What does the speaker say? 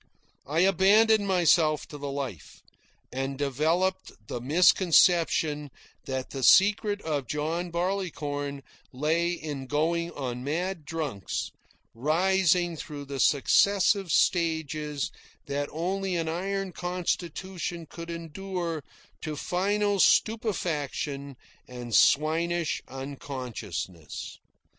I abandoned myself to the life, and developed the misconception that the secret of John Barleycorn lay in going on mad drunks, rising through the successive stages that only an iron constitution could endure to final stupefaction and swinish unconsciousness.